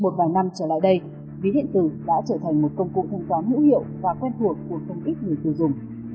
một vài năm trở lại đây ví điện tử đã trở thành một công cụ thanh toán hữu hiệu và quen thuộc của không ít người tiêu dùng